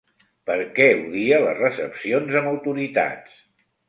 Perquè odia les recepcions amb autoritats.